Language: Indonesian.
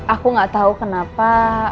aku gak tau kenapa